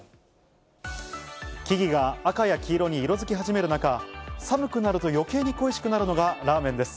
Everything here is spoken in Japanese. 木々が赤や黄色に色づき始める中、寒くなるとよけいに恋しくなるのがラーメンです。